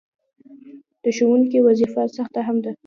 د ښوونکي وظیفه سخته هم ده.